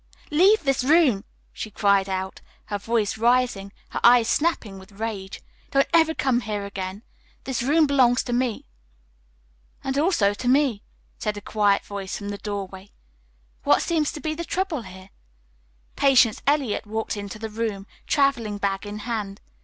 "Leave this room," she cried out, her voice rising, her eyes snapping with rage. "Don't ever come here again. This room belongs to me " "And also to me," said a quiet voice from the doorway. "What seems to be the trouble here?" Patience Eliot walked into the room, traveling bag in hand.